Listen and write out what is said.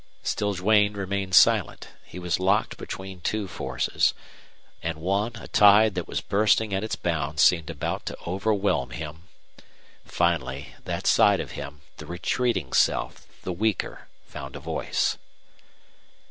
Still Duane remained silent. He was locked between two forces. And one, a tide that was bursting at its bounds, seemed about to overwhelm him. Finally that side of him, the retreating self, the weaker, found a voice.